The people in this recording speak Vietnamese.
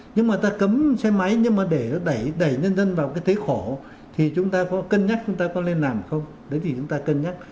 nhưng mà ta cấm xe máy nhưng mà để nó đẩy nhân dân vào cái thế khổ thì chúng ta có cân nhắc chúng ta có lên làm không đấy thì chúng ta cân nhắc